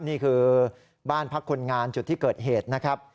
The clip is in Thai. นี่คือบ้านพักคนงานจุดที่เกิดเหตุนะครับ